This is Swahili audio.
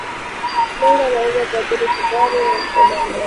wanga inaweza kuathiri sukari katika damu yake